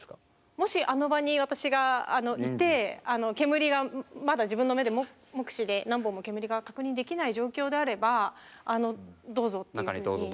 もしあの場に私がいて煙がまだ自分の目で目視で何本も煙が確認できない状況であれば「どうぞ」っていうふうに。